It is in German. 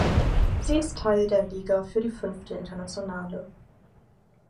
Sie ist Teil der Liga für die Fünfte Internationale.